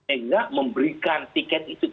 enggak memberikan tiket itu